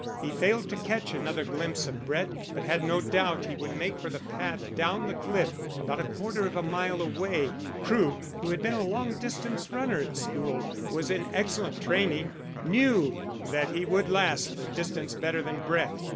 He failed to catch another glimpse of Brett, but had no doubt he would make for the path down the cliff, about a quarter of a mile away, Crewe, who had been a long distance runner at school, and was in excellent training, knew that he would last the distance better than Brett.